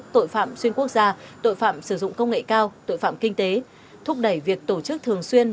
tội phạm xuyên quốc gia tội phạm sử dụng công nghệ cao tội phạm kinh tế thúc đẩy việc tổ chức thường xuyên